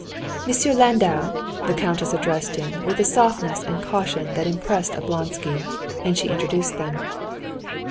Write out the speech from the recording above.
"Monsieur Landau!" the countess addressed him with a softness and caution that impressed Oblonsky. And she introduced them.